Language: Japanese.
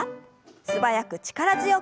素早く力強く。